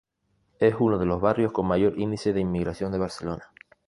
Es uno de los barrios con mayor índice de inmigración de Badalona.